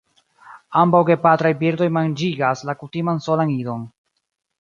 Ambaŭ gepatraj birdoj manĝigas la kutiman solan idon.